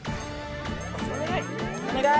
お願い。